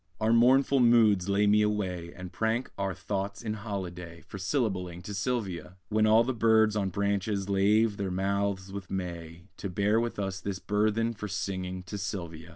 Our mournful moods lay me away, And prank our thoughts in holiday, For syllabling to Sylvia; When all the birds on branches lave their mouths with May, To bear with us this burthen For singing to Sylvia!